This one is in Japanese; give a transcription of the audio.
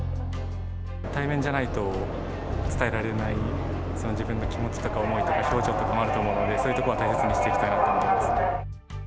対面じゃないと伝えられない自分の気持ちとか思いとか表情とかもあると思うので、そういうところは大切にしていきたいなと思いますね。